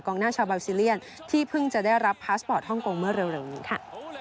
หน้าชาวเบาซีเลียนที่เพิ่งจะได้รับพาสปอร์ตฮ่องกงเมื่อเร็วนี้ค่ะ